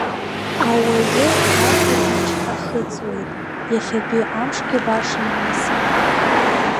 Ауаҩы гәаҭар ичҳа хыҵуеит, иахьатәи амшгьы баша имҩасит.